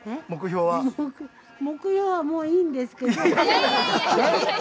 目標はもういいんですけど。